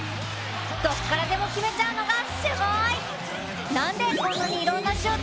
どこからでも決めちゃうのがすごい！